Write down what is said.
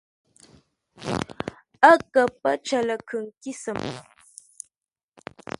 Ə́ kə pə́ cər ləkhʉŋ kísəm.